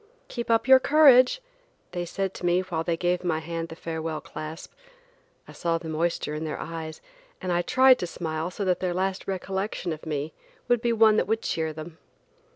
"Keep up your courage," they said to me while they gave my hand the farewell clasp. I saw the moisture in their eyes and I tried to smile so that their last recollection of me would be one that would cheer them.